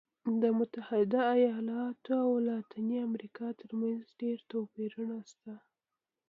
د متحده ایالتونو او لاتینې امریکا ترمنځ ډېر توپیرونه شته.